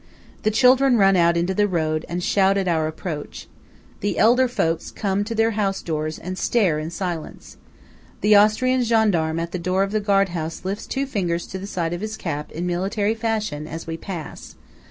The children run out into the road and shout at our approach. The elder folks come to their house doors and stare in silence. The Austrian gendarme at the door of the guard house lifts two fingers to the side of his cap in military fashion, as we pass.